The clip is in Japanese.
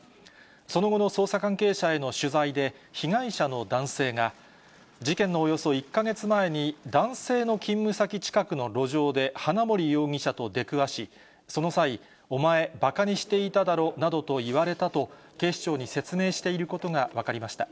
その後の捜査関係者への取材で、被害者の男性が、事件のおよそ１か月前に、男性の勤務先近くの路上で、花森容疑者と出くわし、その際、お前、ばかにしていただろなどと言われたと、警視庁に説明していることが分かりました。